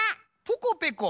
ポコペコ。